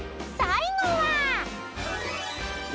最後は］